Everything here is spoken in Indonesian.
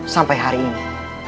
sampai hari ini